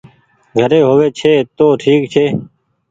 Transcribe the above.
گھري هووي ڇي تو ٺيڪ ڇي۔